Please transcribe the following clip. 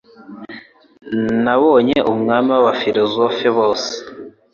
Nabonye Umwami w'abafilozofe bose